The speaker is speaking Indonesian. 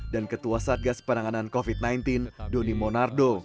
dan ketua satgas penanganan covid sembilan belas doni monardo